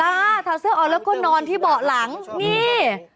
ถอดเสื้อออกแล้วก็นอนที่เบาะหลังนี่